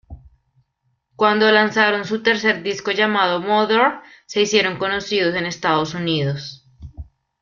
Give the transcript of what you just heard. Cuando lanzaron su tercer disco, llamado "Mother", se hicieron conocidos en Estados Unidos.